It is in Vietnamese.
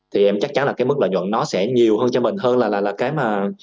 thì em chắc chắn là cái mức lợi nhuận nó sẽ nhiều hơn cho mình hơn là cái mà